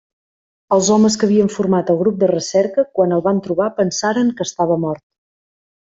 Els homes que havien format el grup de recerca, quan el van trobar pensaren que estava mort.